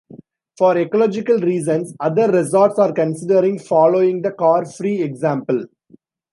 For ecological reasons other resorts are considering following the car-free example.